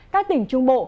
các tỉnh trung bộ